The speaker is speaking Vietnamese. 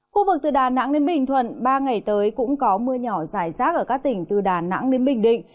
khu vực từ đà nẵng đến bình thuận ba ngày tới cũng có mưa nhỏ dài rác ở các tỉnh từ đà nẵng đến bình định